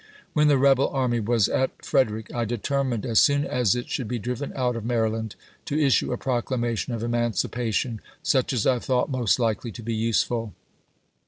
When the rebel army was at Fred erick, I determined, as soon as it should be driven out of Maryland, to issue a proclamation of emancipation, such as I thought most likely to be useful.